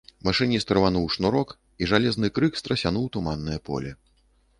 Машыніст рвануў шнурок, і жалезны крык страсянуў туманнае поле.